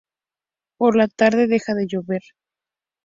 Por la tarde deja de llover.